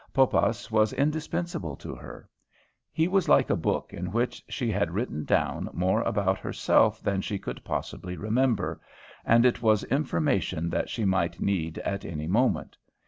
Poppas was indispensable to her. He was like a book in which she had written down more about herself than she could possibly remember and it was information that she might need at any moment.